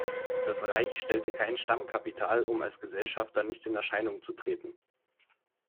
Das Reich stellte kein Stammkapital, um als Gesellschafter nicht in Erscheinung zu treten.